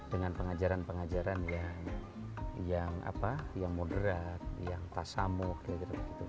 dengan pengajaran pengajaran yang moderat yang tasamu gitu gitu